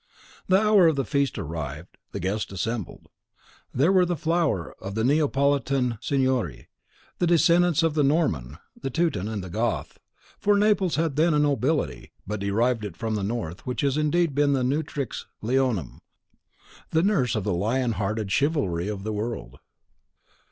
The hour of the feast arrived, the guests assembled. There were the flower of the Neapolitan seignorie, the descendants of the Norman, the Teuton, the Goth; for Naples had then a nobility, but derived it from the North, which has indeed been the Nutrix Leonum, the nurse of the lion hearted chivalry of the world.